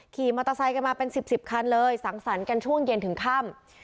ขี่มอเตอร์ไซค์กันมาเป็น๑๐คันเลยสังสรรค์กันช่วงเย็นถึงค่ำ